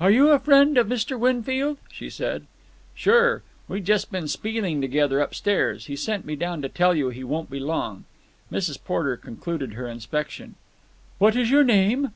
"Are you a friend of Mr. Winfield?" she said. "Sure. We just been spieling together up above. He sent me down to tell you he won't be long." Mrs. Porter concluded her inspection. "What is your name?"